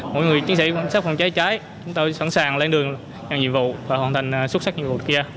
mỗi người chứng xác phòng cháy cháy chúng tôi sẵn sàng lên đường nhận nhiệm vụ và hoàn thành xuất sắc nhiệm vụ kia